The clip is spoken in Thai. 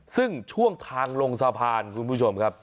ซึ่งช่วงทางลงสะพานคุณผู้ชมครับ